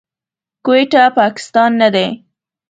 کويټه، پاکستان نه دی.